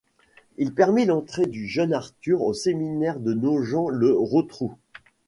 Il permit l'entrée du jeune Arthur au séminaire de Nogent-le-Rotrou.